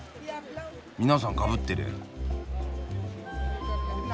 皆さんかぶってる。